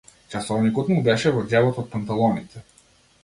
Часовникот му беше во џебот од панталоните.